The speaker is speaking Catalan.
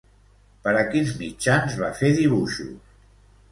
Per a quins mitjans va fer dibuixos?